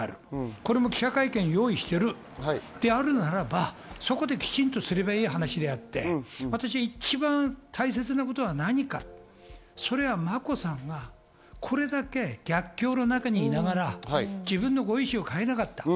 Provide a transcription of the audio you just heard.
これも記者会見を用意しているであるならば、そこできちんとすればいい話であって一番大切なことは何か、それはまこさんがこれだけ逆境の中にいながら自分のご意思を変えなかった。